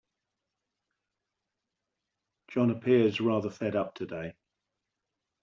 John appears rather fed up today